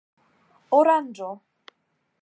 oranĝo